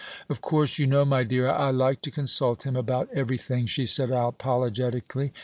"Of course, you know, my dear, I like to consult him about everything," she said, apologetically.